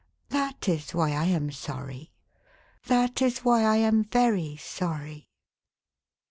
That is why I am sorry. That is why I am very sorry.